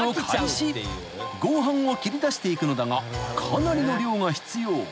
［合板を切り出していくのだがかなりの量が必要］